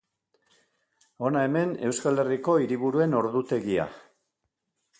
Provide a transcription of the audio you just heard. Hona hemen Euskal Herriko hiriburuen ordutegia.